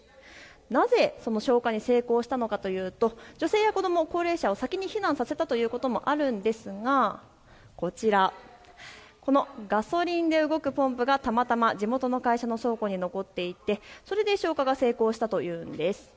なぜその消火に成功したのかというと女性や高齢者を先に避難させたということもあるんですが、こちら、ガソリンで動くポンプがたまたま地元の会社の倉庫に残っていてそれで消火が成功したというんです。